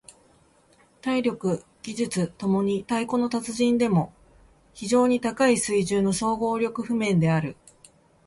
体力・技術共に太鼓の達人でも非常に高い水準の総合力譜面である。